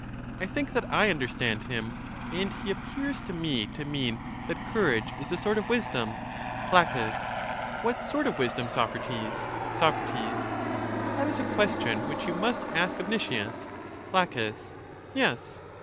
I think that I understand him; and he ap pears to me to mean that courage is a sort of wisdom. La. What sort of wisdom, Socrates? Soc. That is a question which you must ask of Nicias. La. Yes.